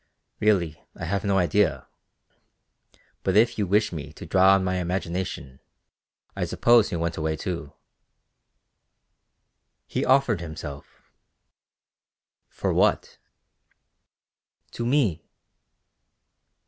"Really, I have no idea, but if you wish me to draw on my imagination, I suppose he went away too." "He offered himself." "For what?" "To me."